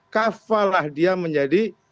kafallah dia menjadi